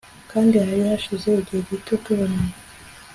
kandi hari hashize igihe gito tubonanye